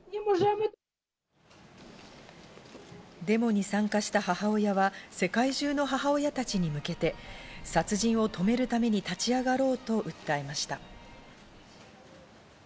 デモに参加した母親は世界中の母親たちに向けて殺人を止めるために立ち上がろうと訴えました。